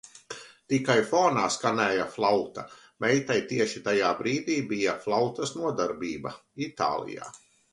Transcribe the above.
Tikai fonā skanēja flauta - meitai tieši tajā brīdī bija flautas nodarbība. Itālijā